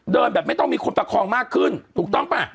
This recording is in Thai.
เดินแบบไม่ต้องมีคนประคองมากขึ้นถูกต้องป่ะ